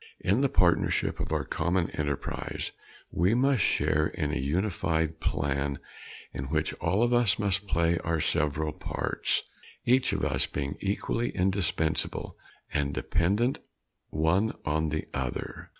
In the partnership of our common enterprise, we must share in a unified plan in which all of us must play our several parts, each of us being equally indispensable and dependent one on the other.